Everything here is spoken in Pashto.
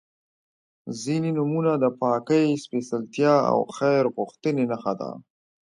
• ځینې نومونه د پاکۍ، سپېڅلتیا او خیر غوښتنې نښه ده.